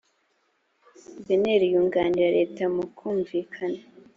bnr yunganira leta mu kumvikana